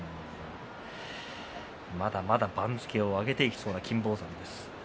まだまだ番付を上げていきそうな金峰山です。